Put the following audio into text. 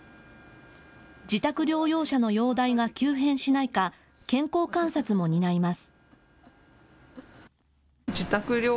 自宅療養者の容体が急変しないか健康観察も担います。